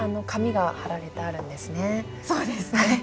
そうですね。